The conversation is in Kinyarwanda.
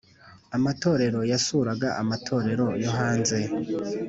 amatorero yasuraga amatorero yo hanze